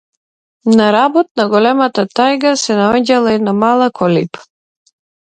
На работ на големата тајга се наоѓала една мала колиба.